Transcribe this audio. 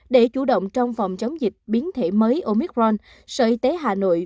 để chủ động trong phòng chống dịch biến thể mới omicron sở y tế hà nội